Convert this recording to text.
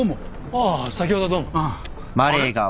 ああ先ほどはどうも。